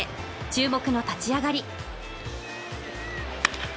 注目の立ち上がり